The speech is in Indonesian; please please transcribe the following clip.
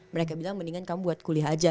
mereka bilang mendingan kamu buat kuliah aja